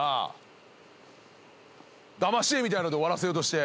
だまし絵みたいなので終わらせようとして。